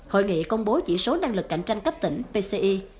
hội nghị công bố chỉ số năng lực cạnh tranh cấp tỉnh pci